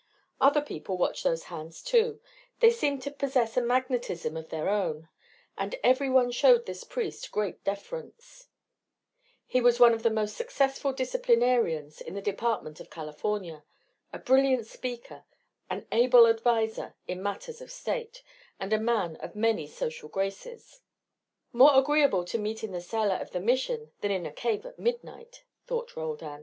Other people watched those hands too they seemed to possess a magnetism of their own; and every one showed this priest great deference: he was one of the most successful disciplinarians in the Department of California, a brilliant speaker, an able adviser in matters of state, and a man of many social graces. "More agreeable to meet in the sala of the Mission than in a cave at midnight," thought Roldan.